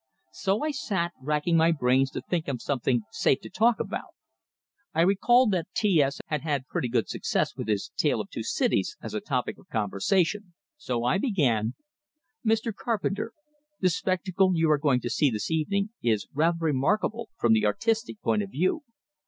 So I sat, racking my brains to think of something safe to talk about. I recalled that T S had had pretty good success with his "Tale of Two Cities" as a topic of conversation, so I began: "Mr. Carpenter, the spectacle you are going to see this evening is rather remarkable from the artistic point of view.